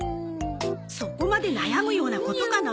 そこまで悩むようなことかな。